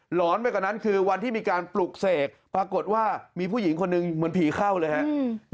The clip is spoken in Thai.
หอนไปกว่านั้นคือวันที่มีการปลุกเสกปรากฏว่ามีผู้หญิงคนหนึ่งเหมือนผีเข้าเลยครับ